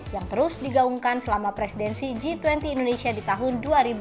yang terus digaungkan selama presidensi g dua puluh indonesia di tahun dua ribu dua puluh